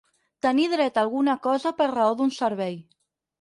Tenir dret a alguna cosa per raó d'un servei.